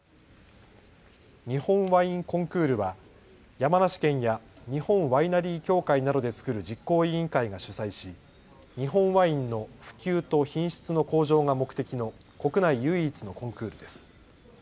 日本ワインコンクールは山梨県や日本ワイナリー協会などで作る実行委員会が主催し日本ワインの普及と品質の向上が目的の国内唯一のコンクールです。